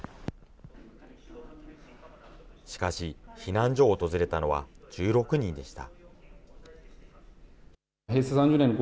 しかし、避難所を訪れたのは１６人でした。